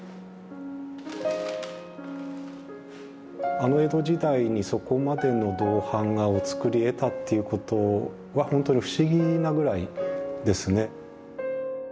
あの江戸時代にそこまでの銅版画を作り得たっていうことは本当に不思議なぐらいですね。